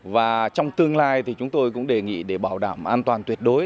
và trong tương lai thì chúng tôi cũng đề nghị để bảo đảm an toàn tuyệt đối